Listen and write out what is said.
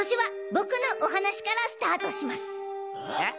えっ！